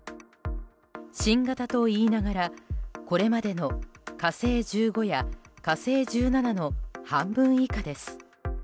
新型と言いながらこれまでの「火星１５」や「火星１７」の半分以下です。